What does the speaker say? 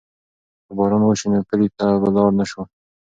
که باران وشي نو کلي ته به لاړ نه شو.